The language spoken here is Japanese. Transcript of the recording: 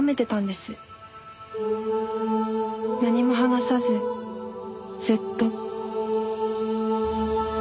何も話さずずっと。